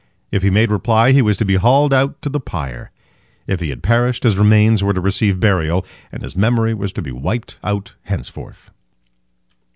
If he made reply, he was to be hauled out to the pyre. If he had perished, his remains were to receive burial, and his memory was to be wiped out henceforth.